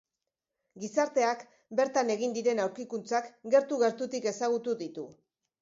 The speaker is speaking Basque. Gizarteak, bertan egin diren aurkikuntzak gertu gertutik ezagutu ditu.